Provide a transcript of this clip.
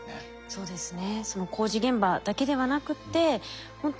そうですね。